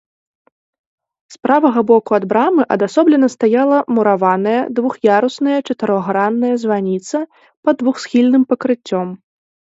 З правага боку ад брамы адасоблена стаяла мураваная двух'ярусная чатырохгранная званіца пад двухсхільным пакрыццём.